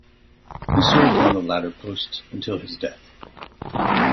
He served in the latter post until his death.